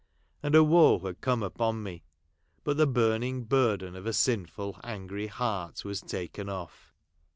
And a woe had come upon me, but the burning burden of a sinful, angry heart was taken off.